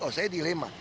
oh saya dilema